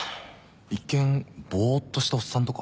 一見ぼっとしたおっさんとか？